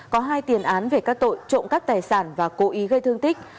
có hai tiền án về các tội trộm cắt tài sản và cố ý gây thương tích